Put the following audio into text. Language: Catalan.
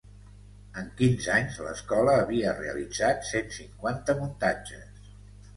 En quinze anys, l'escola havia realitzat cent cinquanta muntatges.